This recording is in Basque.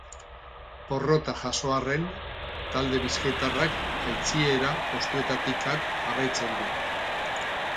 Porrota jaso arren, talde bizkaitarrak jaitsiera postuetatik at jarraitzen du.